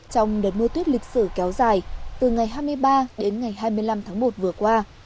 trong đợt mưa tuyết lịch sử kéo dài từ ngày hai mươi ba đến ngày hai mươi năm tháng một vừa qua